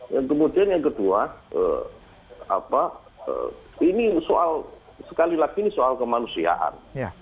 yang kemudian yang kedua ini soal sekali lagi ini soal kemanusiaan